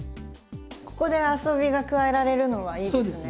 ここで遊びが加えられるのはいいですね。